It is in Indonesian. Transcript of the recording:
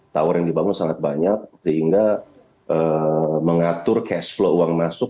tower yang dibangun sangat banyak sehingga mengatur cash flow uang masuk